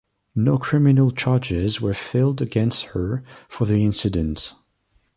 No criminal charges were filed against her for the incident.